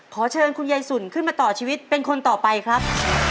ขอเชิญคุณยายสุนขึ้นมาต่อชีวิตเป็นคนต่อไปครับ